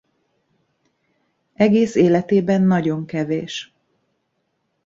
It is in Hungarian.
Egész életében nagyon kevés.